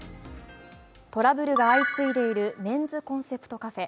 トラブルが相次いでいるメンズコンセプトカフェ。